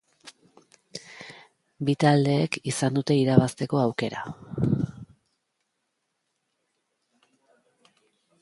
Bi taldeek izan dute irabazteko aukera.